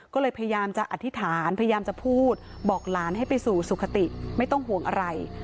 ก็เลยพยายามจะอธิษฐานพยายามจะพูดบอกหลานให้ไปสู่สุขติไม่ต้องห่วงอะไร